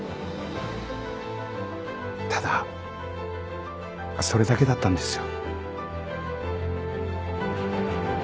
ただそれだけだったんですよ。